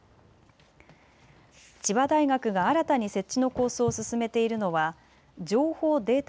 千葉大学が新たに設置の構想を進めているのは情報・データ